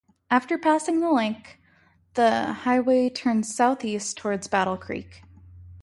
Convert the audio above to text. After passing the lake, the highway turns southeast towards Battle Creek.